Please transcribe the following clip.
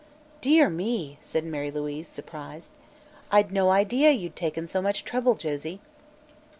"Dear me," said Mary Louise, surprised, "I'd no idea you'd taken so much trouble, Josie."